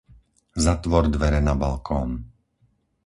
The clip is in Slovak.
Zatvor dvere na balkón.